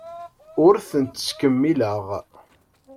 Ur tent-ttkemmileɣ.